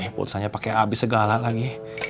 pulsanya pake abis segala lagi